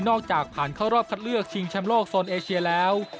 จากผ่านเข้ารอบคัดเลือกชิงแชมป์โลกโซนเอเชียแล้ว